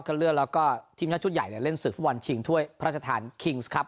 แล้วก็ทีมชาติชุดใหญ่เนี่ยเล่นสิบทวนพระจักษรทานครับ